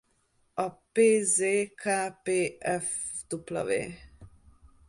A Pz.Kpfw.